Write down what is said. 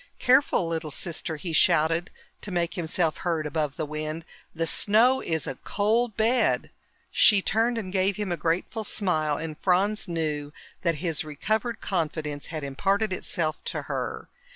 "Careful, little sister!" he shouted, to make himself heard above the wind. "The snow is a cold bed!" She turned and gave him a grateful smile, and Franz knew that his recovered confidence had imparted itself to her.